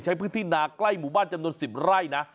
ใช้พื้นที่นาใกล้หมู่บ้านจำนวน๑๐ไร่นะ